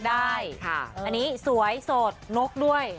แต่นี่นก